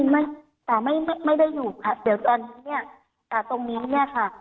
ไม่ไม่แต่ไม่ได้อยู่ค่ะเดี๋ยวตอนนี้ตรงนี้เนี่ยค่ะ